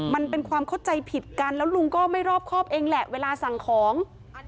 มันเป็นความเข้าใจผิดกันแล้วลุงก็ไม่รอบครอบเองแหละเวลาสั่งของ